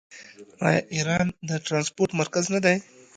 آیا ایران د ټرانسپورټ مرکز نه دی؟